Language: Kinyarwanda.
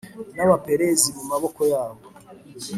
n’Abaperizi mu maboko yabo,